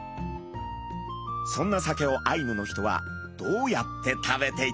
そんなサケをアイヌの人はどうやって食べていたのか？